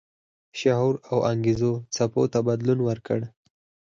شعور او انګیزو څپو بدلون ورکړ.